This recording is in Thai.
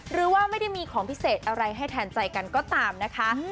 หรือว่าไม่ได้มีของพิเศษอะไรให้แทนใจกันก็ตามนะคะ